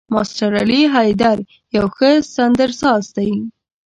ماسټر علي حيدر يو ښه سندرساز دی.